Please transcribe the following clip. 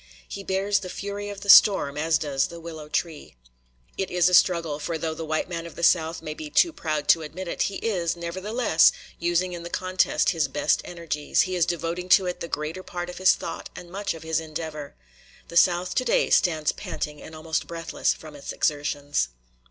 He bears the fury of the storm as does the willow tree. It is a struggle; for though the white man of the South may be too proud to admit it, he is, nevertheless, using in the contest his best energies; he is devoting to it the greater part of his thought and much of his endeavor. The South today stands panting and almost breathless from its exertions.